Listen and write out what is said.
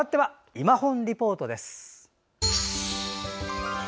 「いまほんリポート」。